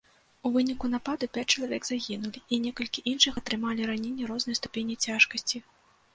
У выніку нападу пяць чалавек загінулі і некалькі іншых атрымалі раненні рознай ступені цяжкасці.